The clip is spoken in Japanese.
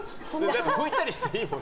拭いたりしていいもの？